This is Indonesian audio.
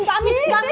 enggak amin ya allah